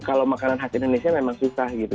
kalau makanan khas indonesia memang susah gitu